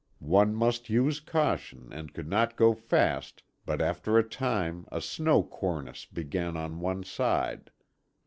One must use caution and could not go fast, but after a time a snow cornice began on one side.